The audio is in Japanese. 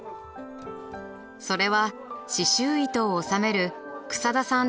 それは刺しゅう糸を収める草田さん